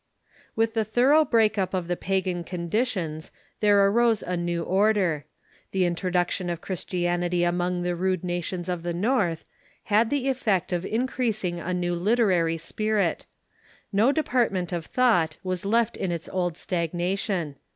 With the thorough break up of the pagan conditions there arose a new order. The introduction of Christianity among the rude nations of the North had the effect Literary Transition „..,...^^^ ot increasnig a new literary spirit. JSo depart ment of thought was left in its old stagnation.